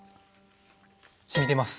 しみています！